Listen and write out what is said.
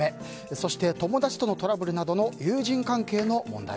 そして、友達とのトラブルなどの友人関係の問題。